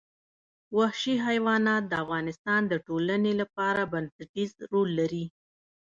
وحشي حیوانات د افغانستان د ټولنې لپاره بنسټيز رول لري.